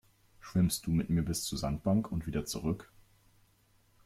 Schwimmst du mit mir bis zur Sandbank und wieder zurück?